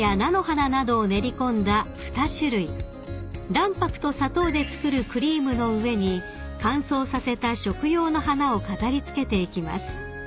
［卵白と砂糖で作るクリームの上に乾燥させた食用の花を飾り付けていきます］